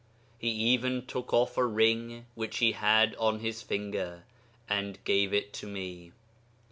He even took off a ring which he had on his finger, and gave it to me.